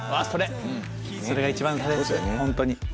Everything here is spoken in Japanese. それが一番本当に。